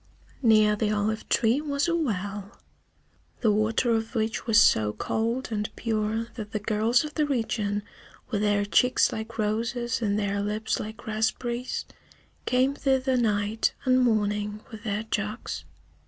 Near the olive tree was a well, the water of which was so cold and pure that the girls of the region, with their cheeks like roses and their lips like raspberries, came thither night and morning with their jugs.